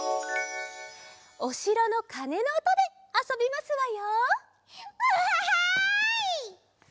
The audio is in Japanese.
おしろのかねのおとであそびますわよ。